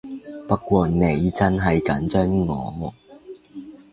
不過你真係緊張我